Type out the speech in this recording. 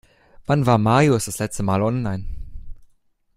Wann war Marius das letzte Mal online?